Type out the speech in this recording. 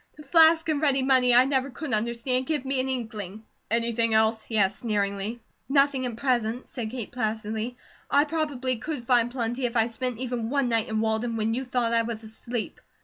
The flask and ready money I never could understand give me an inkling." "Anything else?" he asked, sneeringly. "Nothing at present," said Kate placidly. "I probably could find plenty, if I spent even one night in Walden when you thought I was asleep."